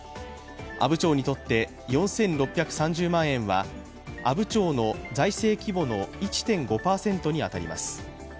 阿武町にとって、４６３０万円は阿武町の財政規模の１．５％に当たります。